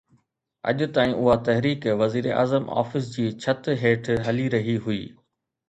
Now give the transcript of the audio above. اڄ تائين اها تحريڪ وزيراعظم آفيس جي ڇت هيٺ هلي رهي هئي.